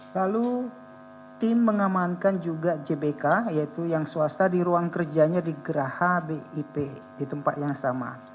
lalu tim mengamankan juga jbk yaitu yang swasta di ruang kerjanya di geraha bip di tempat yang sama